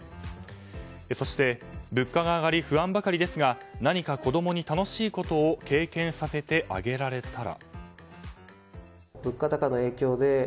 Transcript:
そして、物価が上がり不安ばかりですが何か子供に楽しいことを経験させてあげられたら。